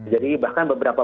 jadi bahkan beberapa